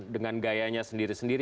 dengan gayanya sendiri sendiri